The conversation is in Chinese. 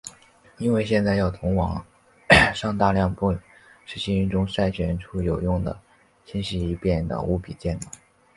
因为现在要从网上大量不实信息中甄别筛选出真实有用的信息已变的无比艰难。